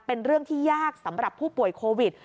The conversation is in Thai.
เป็นเรื่องที่ยากสำหรับผู้ป่วยโควิด